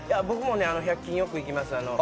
僕も１００均よく行きます。